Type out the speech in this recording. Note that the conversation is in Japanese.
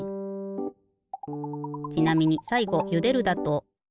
ちなみにさいごゆでるだと。